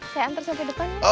saya antar sampai depannya